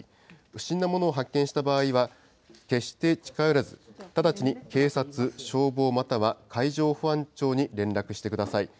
不審なものを発見した場合は、決して近寄らず、直ちに警察、消防または海上保安庁に連絡してください。